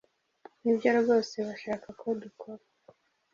nibyo rwose bashaka ko dukora